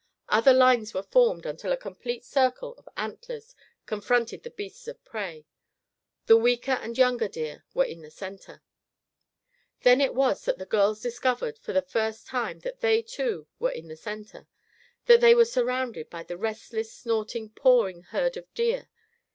Other lines were formed until a complete circle of antlers confronted the beasts of prey. The weaker and younger deer were in the center. Then it was that the girls discovered for the first time that they, too, were in the center; that they were surrounded by the restless, snorting, pawing herd of deer.